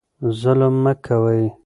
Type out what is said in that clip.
ظلم مه کوئ.